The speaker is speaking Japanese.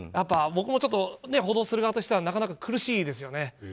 僕もちょっと報道する側としてはなかなか苦しいですよね。